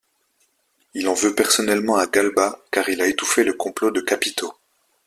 Il en veut personnellement à Galba car il a étouffé le complot de Capito.